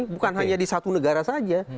bukan hanya di satu negara saja